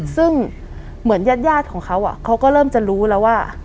ซึ่งเหมือนญาติของเขาเขาก็เริ่มจะรู้แล้วว่า